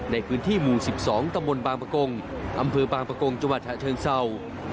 ในพื้นที่หมู่๑๒ตมบางปะกงอำเภอบางปะกงจมเชิงเศร้า